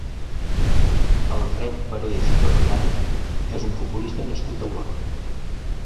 Alfred Parés i Bertran és un futbolista nascut a Olot.